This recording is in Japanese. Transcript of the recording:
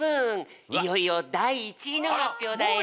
いよいよだい１位の発表だよ！